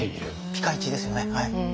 ピカイチですよね。